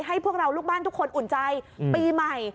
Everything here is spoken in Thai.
พวกเราลูกบ้านทุกคนอุ่นใจปีใหม่